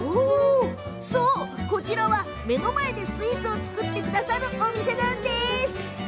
こちらは、目の前でスイーツを作ってくれるお店なんです。